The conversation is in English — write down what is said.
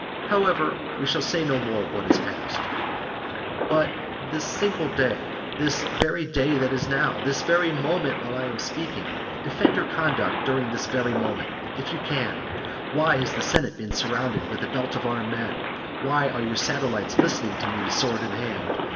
However, we will say no more of what is past. XLIV. But this single day, this very day that now is, this very moment while I am speaking, defend your conduct during this very moment, if you can. Why has the senate been surrounded with a belt of armed men? Why are your satellites listening to me sword in hand?